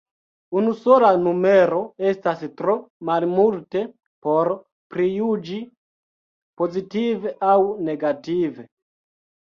Unusola numero estas tro malmulte por prijuĝi, pozitive aŭ negative.